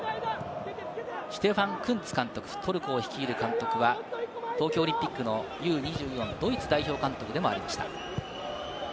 シュテファン・クンツ監督、トルコを率いる監督は東京オリンピックのＵ−２５のドイツ代表監督でもありました。